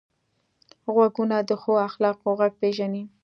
غوږونه د ښو اخلاقو غږ پېژني